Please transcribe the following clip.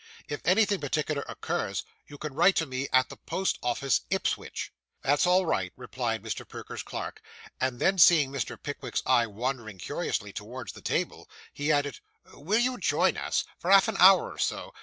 'If anything particular occurs, you can write to me at the post office, Ipswich.' 'That's all right,' replied Mr. Perker's clerk; and then seeing Mr. Pickwick's eye wandering curiously towards the table, he added, 'will you join us, for half an hour or so?